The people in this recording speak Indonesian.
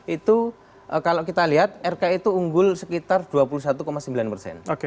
itu kalau kita lihat rk itu unggul sekitar dua puluh satu sembilan persen